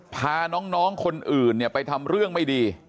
พาน้องคนอื่นไปทำเรื่องไม่ดี